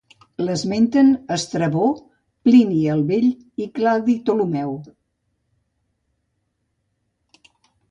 L'esmenten Estrabó, Plini el Vell i Claudi Ptolemeu.